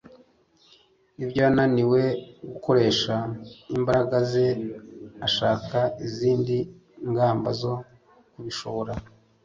Ibyo yananiwe gukoresha imbaraga ze, ashaka izindi ngamba zo kubishobora.